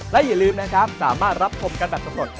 และอย่าลืมนะครับสามารถรับชมกันแบบสำรวจ